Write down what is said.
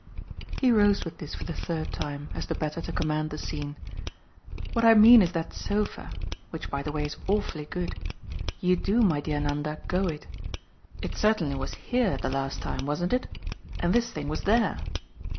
He rose with this for the third time, as the better to command the scene. "What I mean is that sofa which by the way is awfully good: you do, my dear Nanda, go it! It certainly was HERE the last time, wasn't it? and this thing was there.